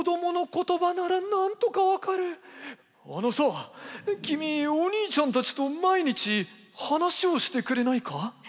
「あのさ君お兄ちゃんたちと毎日話をしてくれないか？」。